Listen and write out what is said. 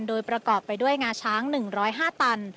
โดยประกอบไปด้วยงาช้าง๑๐๕ตัน